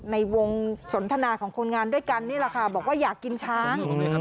ในวงสนทนาของคนงานด้วยกันนี่แหละค่ะบอกว่าอยากกินช้าง